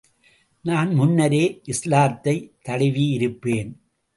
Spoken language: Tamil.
நான் முன்னரே இஸ்லாத்தைத் தழுவியிருப்பேன்.